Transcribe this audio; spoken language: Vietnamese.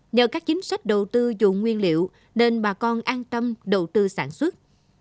nhờ các chính sách đầu tư dùng nguyên liệu nên bà con an tâm đầu tư sản xuất